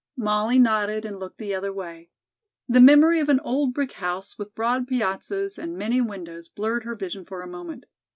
Molly nodded and looked the other way. The memory of an old brick house with broad piazzas and many windows blurred her vision for a moment.